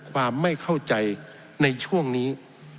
ความไม่เข้าใจในช่วงนี้